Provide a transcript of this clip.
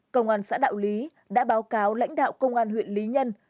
công an xã đạo lý đã báo cáo lãnh đạo công an huyện lý nhân